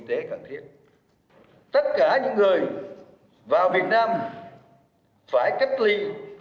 xử lý nghiêm khắc những trường hợp vi phạm trốn cách ly